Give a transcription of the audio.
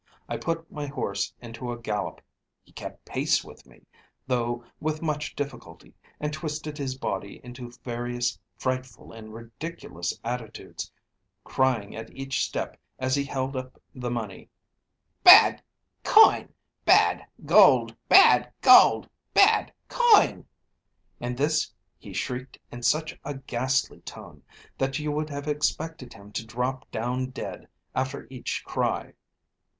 I put my horse into a gallop; he kept pace with me, though with much difficulty, and twisted his body into various frightful and ridiculous attitudes, crying at each step as he held up the money: 'Bad coin! bad gold! bad gold! bad coin!' And this he shrieked in such a ghastly tone, that you would have expected him to drop down dead after each cry.